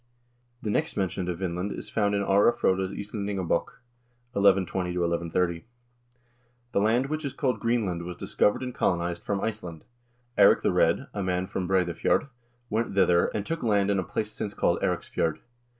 * The next mention of Vinland is found in Are Frode's "Islendinga bok" (1120 1130) : "The land which is called Greenland was discovered and colonized from Iceland. Eirik the Red, a man from Breidafjord, went thither, and took land in a place since called Eiriksfjord.